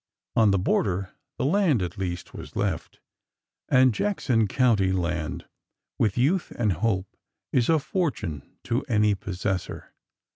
On the border the land at least was left, and Jackson County land— with youth and hope— is a fortune to any possessor.